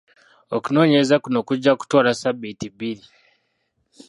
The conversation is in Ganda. Okunoonyereza kuno kujja kutwala ssabiiti bbiri.